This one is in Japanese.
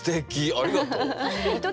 ありがとう。